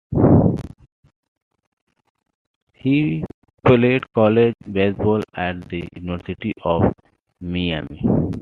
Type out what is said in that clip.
He played college baseball at the University of Miami.